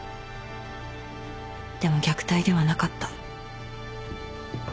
でも虐待ではなかった。